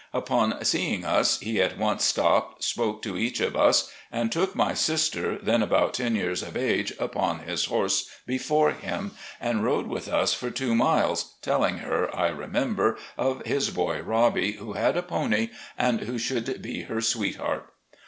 Upon seeing us he at once stopped, spoke to each of us, and took my sister, then about ten years of age, upon his horse before him, and rode with us for two miles, telling her, I remember, of his boy Robby, who had a pony, and who should be her sweetheart.